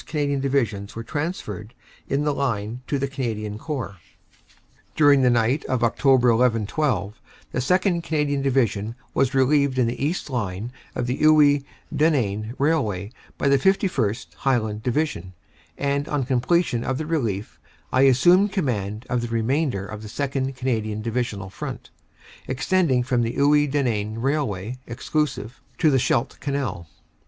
Canadian Divi sions were transferred in the line to the Canadian Corps. "During the night of Oct. 11 12 the 2nd. Canadian Divi sion was relieved in the line east of the Iwuy Denain railway by the 51st. (Highland) Division, and on completion of the relief I assumed command of the remainder of the 2nd. Cana dian Divisional front, extending from the Iwuy Denain rail way (exclusive) to the Scheldt Canal.